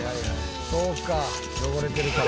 そうか汚れてるから。